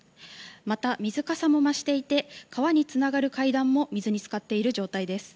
また水かさも増していて川につながる階段も水に浸かっている状態です。